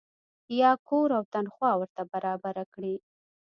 یا کور او تنخوا ورته برابره کړي.